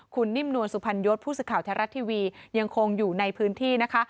คุณนิ่มนวลสุพรรณยศผู้สื่อข่าวไทยรัฐทีวียังคงอยู่ในพื้นที่นะคะ